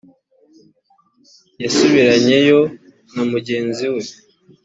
yasubiranyeyo na mugenzi we